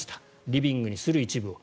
リビングにする、一部を。